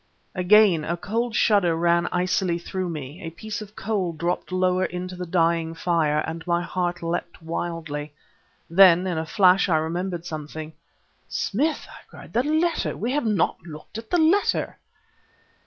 Again a cold shudder ran icily through me. A piece of coal dropped lower into the dying fire and my heart leapt wildly. Then, in a flash, I remembered something. "Smith!" I cried, "the letter! We have not looked at the letter."